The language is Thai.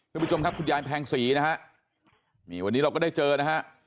คุณผู้ชมครับคุณยายแพงศรีนะฮะนี่วันนี้เราก็ได้เจอนะฮะ